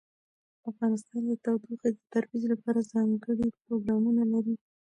افغانستان د تودوخه د ترویج لپاره ځانګړي پروګرامونه لري.